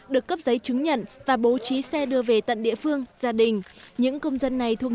được cấp giấy chứng nhận và bố trí xe đưa về tận địa phương gia đình những công dân này thuộc